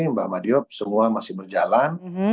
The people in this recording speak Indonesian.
mbak madio semua masih berjalan